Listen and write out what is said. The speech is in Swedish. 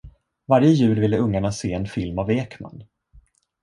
Varje jul ville ungarna se en film av Ekman.